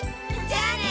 じゃあね！